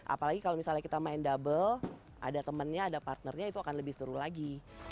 apalagi kalau misalnya kita main double ada temannya ada partnernya itu akan lebih seru lagi